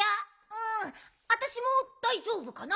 うんわたしもだいじょうぶかな。